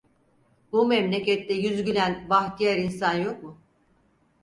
Bu memlekette yüzü gülen, bahtiyar insan yok mu?